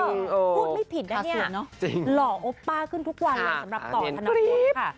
พูดไม่ผิดนะเนี่ยหล่อโอป้าขึ้นทุกวันเลยสำหรับต่อธนพัฒน์ค่ะ